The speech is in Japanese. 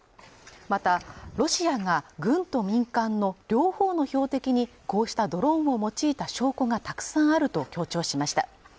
またロシアが軍と民間の両方の標的にこうしたドローンを用いた証拠がたくさんあると強調しました